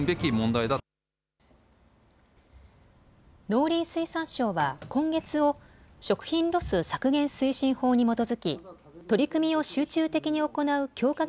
農林水産省は今月を食品ロス削減推進法に基づき取り組みを集中的に行う強化